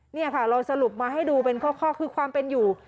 นี่ค่ะเราสรุปมาให้ดูเป็นข้อคือความเป็นอยู่